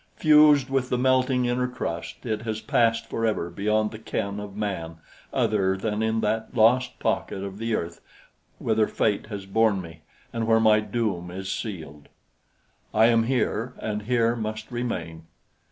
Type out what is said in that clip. Fused with the melting inner crust, it has passed forever beyond the ken of man other than in that lost pocket of the earth whither fate has borne me and where my doom is sealed. I am here and here must remain.